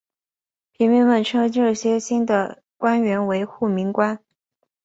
平民们称这些新的官员为护民官。